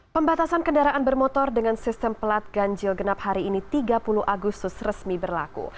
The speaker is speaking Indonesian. pembatasan kendaraan bermotor dengan sistem pelat ganjil genap hari ini tiga puluh agustus resmi berlaku